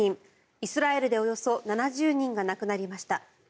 イスラエルでおよそ７０人が亡くなりました。